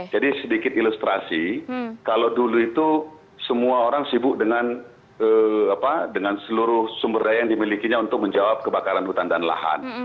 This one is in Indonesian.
jadi sedikit ilustrasi kalau dulu itu semua orang sibuk dengan seluruh sumber daya yang dimilikinya untuk menjawab kebakaran hutan dan lahan